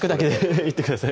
いってください